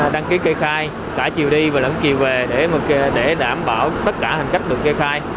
đăng ký kê khai cả chiều đi và lẫn chiều về để đảm bảo tất cả hành khách được kê khai